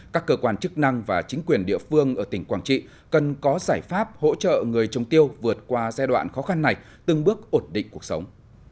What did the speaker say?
các cơ quan chức năng và chính quyền địa phương ở tỉnh quảng trị cần có giải pháp hỗ trợ người trồng tiêu vượt qua giai đoạn khó khăn này từng bước ổn định cuộc sống